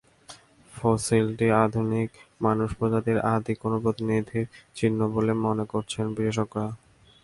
ফসিলটি আধুনিক মানুষ প্রজাতির আদি কোনো প্রতিনিধির চিহ্ন বলে মনে করছেন বিশেষজ্ঞরা।